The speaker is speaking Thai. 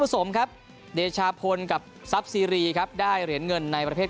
สมครับเดชาพลกับทรัพย์ซีรีครับได้เหรียญเงินในประเภท